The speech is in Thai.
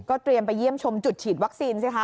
เตรียมไปเยี่ยมชมจุดฉีดวัคซีนสิคะ